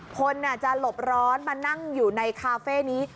คนจะหลบร้อนมานั่งอยู่ในคาเฟ่นี้